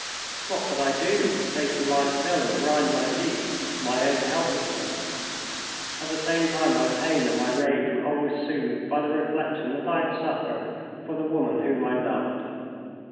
What could I do save to lie still and grind my teeth at my own helplessness? At the same time my pain and my rage were always soothed by the reflection that I had suffered for the woman whom I loved.